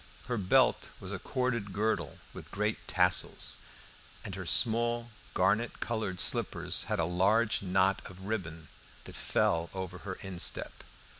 Her belt was a corded girdle with great tassels, and her small garnet coloured slippers had a large knot of ribbon that fell over her instep.